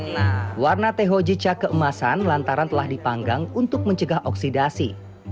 nah warna tehojica keemasan lantaran telah dipanggang untuk mencegah oksidasi